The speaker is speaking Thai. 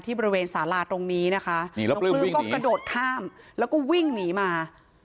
บริเวณสาราตรงนี้นะคะน้องปลื้มก็กระโดดข้ามแล้วก็วิ่งหนีมา